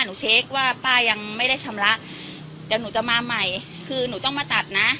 หนูเช็คว่าป้ายังไม่ได้ชำระเดี๋ยวหนูจะมาใหม่คือหนูต้องมาตัดนะ